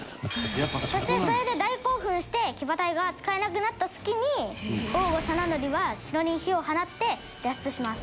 そしてそれで大興奮して騎馬隊が使えなくなった隙に淡河定範は城に火を放って脱出します。